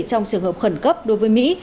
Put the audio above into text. trong trường hợp khẩn cấp đối với mỹ